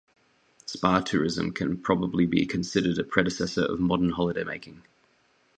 Spa tourism can probably be considered a predecessor of modern holidaymaking.